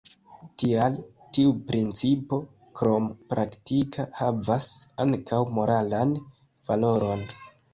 Tial tiu principo, krom praktika, havas ankaŭ moralan valoron.